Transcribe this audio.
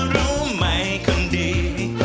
รู้ไหมคนดี